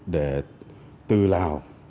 để từ lào